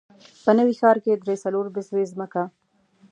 په نوي ښار کې درې، څلور بسوې ځمکه.